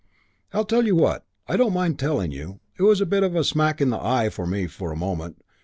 I tell you what I don't mind telling you it was a bit of a smack in the eye for me for a moment.